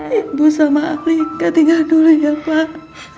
ibu sama alika tinggal dulu ya pak